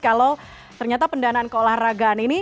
kalau ternyata pendanaan keolahragaan ini